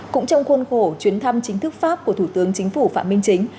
cũng trong khuôn khổ chuyến thăm chính thức pháp của thủ tướng chính phủ phạm minh chính